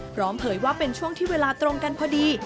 เผยว่าเป็นช่วงที่เวลาตรงกันพอดี